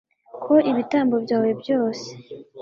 ko ibitambo byawe byose